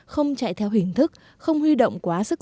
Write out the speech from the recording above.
không chạy theo hình thức không huy động quá sức